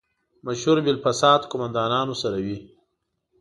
مشهور بالفساد قوماندانانو سره وي.